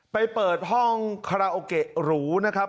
ไปเปิดห้องคาราโอเกะหรูนะครับ